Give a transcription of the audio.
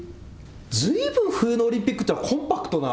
ずいぶん冬のオリンピックというのはコンパクトな。